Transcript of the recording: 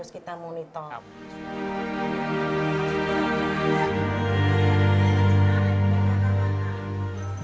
jadi kita harus memperhatikan kekuatan anak anak